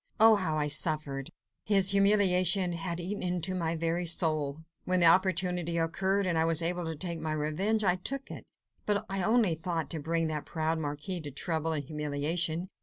Oh, how I suffered! his humiliation had eaten into my very soul! When the opportunity occurred, and I was able to take my revenge, I took it. But I only thought to bring that proud marquis to trouble and humiliation.